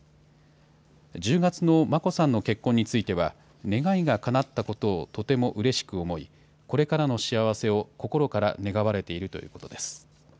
１０月の眞子さんの結婚については、願いがかなったことをとてもうれしく思い、これからの幸せを心から願われているということです。